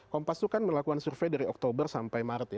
kompas itu kan melakukan survei dari oktober sampai maret ya